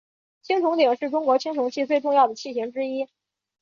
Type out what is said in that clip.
青铜鼎是中国青铜器最重要的器形之一。